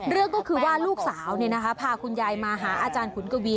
เรื่องก็คือว่าลูกสาวพาคุณยายมาหาอาจารย์ขุนกวี